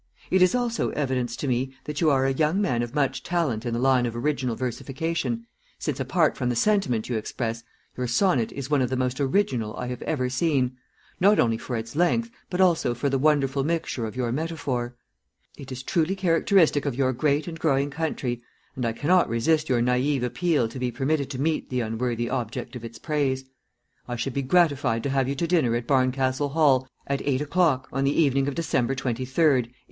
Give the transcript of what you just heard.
It is also evidence to me that you are a young man of much talent in the line of original versification, since, apart from the sentiment you express, your sonnet is one of the most original I have ever seen, not only for its length, but also for the wonderful mixture of your metaphor. It is truly characteristic of your great and growing country, and I cannot resist your naïve appeal to be permitted to meet the unworthy object of its praise. I should be gratified to have you to dinner at Barncastle Hall, at eight o'clock on the evening of December 23rd, 189